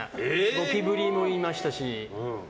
ゴキブリもいましたし。